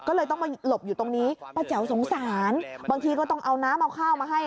ก็เลยต้องมาหลบอยู่ตรงนี้ป้าแจ๋วสงสารบางทีก็ต้องเอาน้ำเอาข้าวมาให้